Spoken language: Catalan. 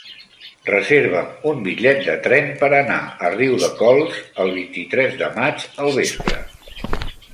Reserva'm un bitllet de tren per anar a Riudecols el vint-i-tres de maig al vespre.